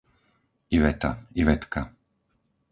Iveta, Ivetka